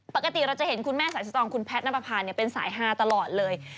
ปกติเราจะเห็นคุณแม่สายสตองคุณแพทย์นับประพาเป็นสายฮาตลอดเลย